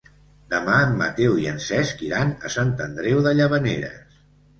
Demà en Mateu i en Cesc iran a Sant Andreu de Llavaneres.